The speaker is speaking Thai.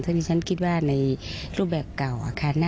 ซึ่งฉันคิดว่าในรูปแบบเก่า